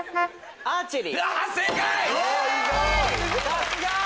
さすが！